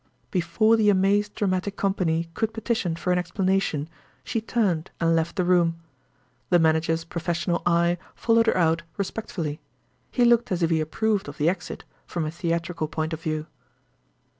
Before the amazed dramatic company could petition for an explanation, she turned and left the room. The manager's professional eye followed her out respectfully—he looked as if he approved of the exit, from a theatrical point of view.